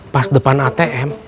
pas depan atm